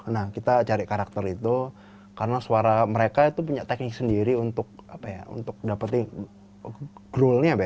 nah kita cari karakter itu karena suara mereka itu punya teknik sendiri untuk dapetin grow nya